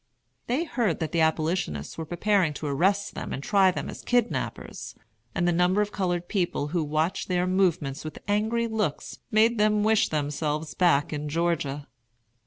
They heard that the Abolitionists were preparing to arrest them and try them as kidnappers; and the number of colored people who watched their movements with angry looks made them wish themselves back in Georgia.